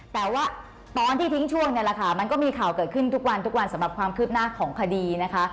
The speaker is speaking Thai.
แต่ว่าตอนที่ทิ้งช่วงเนี่ยแหละค่ะมันก็มีข่าวเกิดขึ้นทุกวันทุกวันสำหรับความคืบหน้าของคดีนะคะ